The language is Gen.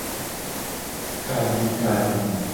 Kadikadi.